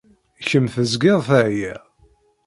Kemm tezgiḍ teεyiḍ.